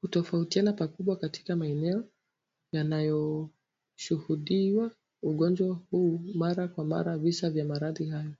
Hutofautiana pakubwa katika maeneo yanayoshuhudiwa ugonjwa huu mara kwa mara visa vya maradhi hayo